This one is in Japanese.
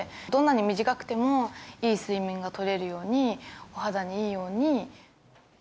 どんなに短くても、いい睡眠がとれるように、お肌にいいように。